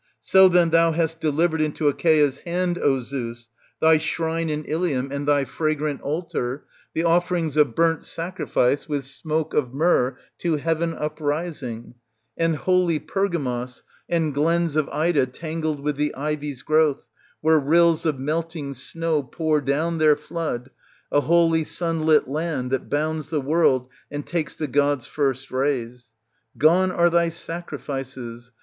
So then thou hast delivered into Achaea's hand, O Zeus, thy shrine in Ilium and thy fragrant altar, the offerings of burnt sacrifice with smoke of myrrh to heaven uprising, and holy Pergamos, and glens of Ida tangled with the ivy's growth, where rills of melting snow pour down their flood, a holy sun lit land that bounds the world and takes the god's first rays ! Gone are thy sacrifices